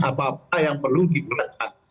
apa apa yang perlu digunakan